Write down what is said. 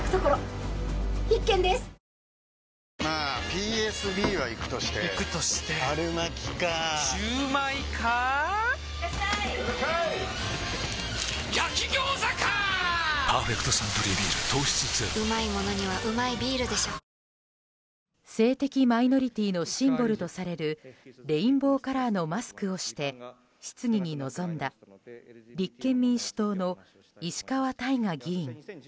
ピンポーン性的マイノリティーのシンボルとされるレインボーカラーのマスクをして質疑に臨んだ立憲民主党の石川大我議員。